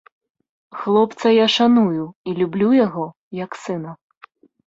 Хлопца я шаную і люблю яго, як сына.